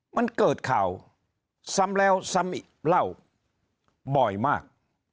มันเกิดข่าวซ้ำแล้วซ้ำอีกเล่าบ่อยมาก